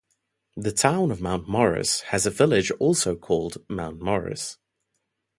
The Town of Mount Morris has a village also called Mount Morris.